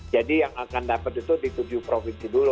jadi yang akan dapat itu di tujuh provinsi dulu